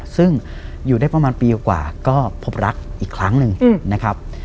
ซึ่งอยู่ได้ประมาณปีกว่าก็พบรักอีกครั้งหนึ่งนะครับ